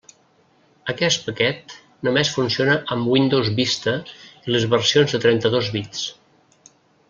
Aquest paquet només funciona amb Windows Vista i les versions de trenta-dos bits.